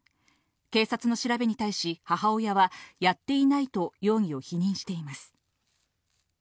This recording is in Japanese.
警察の調べに対し、母親はやっていないと容疑を否認しています。